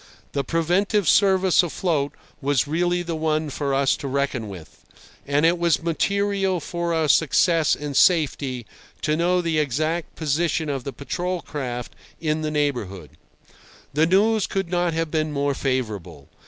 The preventive service afloat was really the one for us to reckon with, and it was material for our success and safety to know the exact position of the patrol craft in the neighbourhood. The news could not have been more favourable.